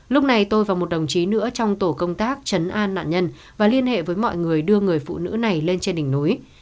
lúc này tôi và một đồng chí nữa trong tổ công tác chấn an nạn nhân và liên hệ với mọi người đưa người phụ nữ này lên trên đỉnh núi